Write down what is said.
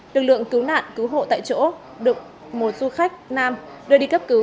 lực lượng cứu nạn cứu hộ tại chỗ được một du khách nam đưa đi cấp cứu